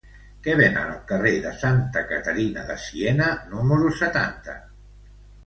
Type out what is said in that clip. Què venen al carrer de Santa Caterina de Siena número setanta?